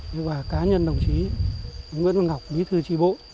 nhưng mà cá nhân đồng chí nguyễn văn ngọc bí thư tri bộ